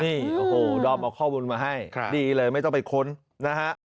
นี่โอ้โหดอมเอาข้อมูลมาให้ดีเลยไม่ต้องไปค้นนะฮะ